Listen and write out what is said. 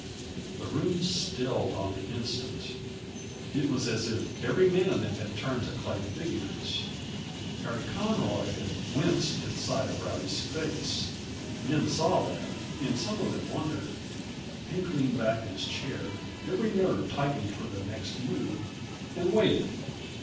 The room stilled on the instant; it was as if every man of them had turned to lay figures. Harry Conroy had winced at sight of Rowdy's face men saw that, and some of them wondered. Pink leaned back in his chair, every nerve tightened for the next move, and waited.